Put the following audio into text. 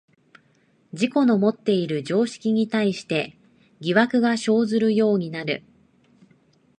自己のもっている常識に対して疑惑が生ずるようになる。